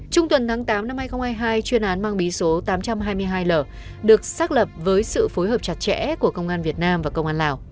trung tuần tháng tám năm hai nghìn hai mươi hai chuyên án mang bí số tám trăm hai mươi hai l được xác lập với sự phối hợp chặt chẽ của công an việt nam và công an lào